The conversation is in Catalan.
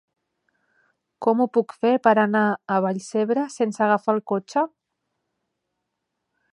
Com ho puc fer per anar a Vallcebre sense agafar el cotxe?